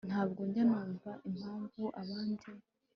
ntabwo njya numva impamvu abandi